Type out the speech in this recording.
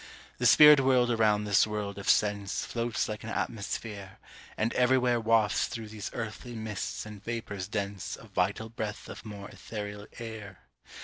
The spirit world around this world of sense Floats like an atmosphere, and everywhere Wafts through these earthly mists and vapors dense A vital breath of more ethereal air.